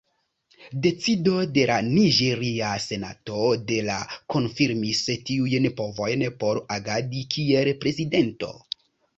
Decido de la Niĝeria Senato de la konfirmis tiujn povojn por agadi kiel Prezidento.